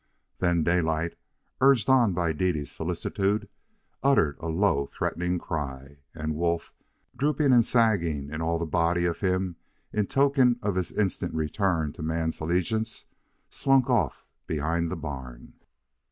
Then Daylight, urged on by Dede's solicitude, uttered a low threatening cry; and Wolf, drooping and sagging in all the body of him in token of his instant return to man's allegiance, slunk off behind the barn.